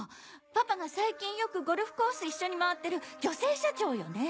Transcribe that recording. パパが最近よくゴルフコース一緒に回ってる女性社長よね？